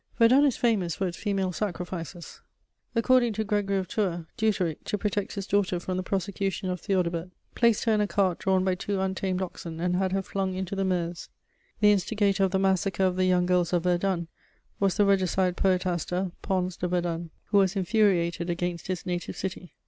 Verdun is famous for its female sacrifices. According to Gregory of Tours, Deuteric, to protect his daughter from the prosecution of Theodebert, placed her in a cart drawn by two untamed oxen and had her flung into the Meuse. The instigator of the massacre of the young girls of Verdun was the regicide poetaster Pons de Verdun, who was infuriated against his native city.